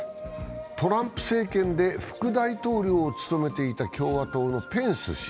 トランプ政権で副大統領を務めていた共和党のペンス氏。